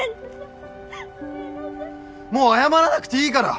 もう謝らなくていいから！